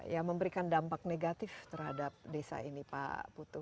ya memberikan dampak negatif terhadap desa ini pak putu